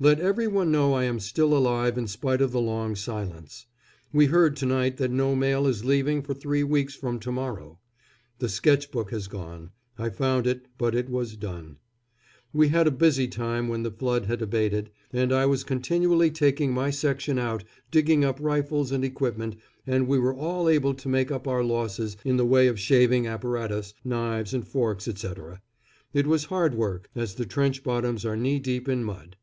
Let every one know I am still alive in spite of the long silence. We heard to night that no mail is leaving for three weeks from to morrow. The sketch book has gone. I found it, but it was "done." We had a busy time when the "Flood" had abated, and I was continually taking my section out, digging up rifles and equipment, and we were all able to make up our losses in the way of shaving apparatus, knives and forks, etc. It was hard work, as the trench bottoms are knee deep in mud.